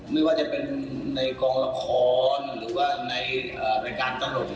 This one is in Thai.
ไม่ว่าจะเป็นในกองละครหรือว่าในรายการตลก